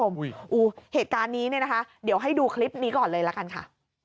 โอโหเหตุการณ์นี้นะครับเดี๋ยวให้ดูคลิปนี้ก่อนเลยแล้วกันค่ะ